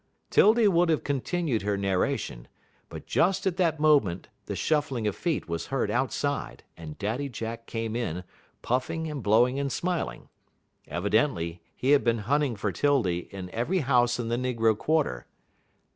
'Tildy would have continued her narration, but just at that moment the shuffling of feet was heard outside, and Daddy Jack came in, puffing and blowing and smiling. Evidently he had been hunting for 'Tildy in every house in the negro quarter.